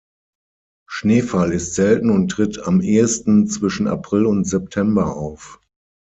Schneefall ist selten und tritt am ehesten zwischen April und September auf.